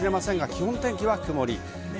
基本、天気は曇りです。